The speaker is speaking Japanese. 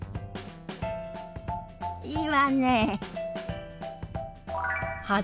いいわね。